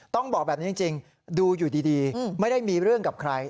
ต้องบอกแบบนี้จริงดูอยู่ดีไม่ได้มีเรื่องกับใคร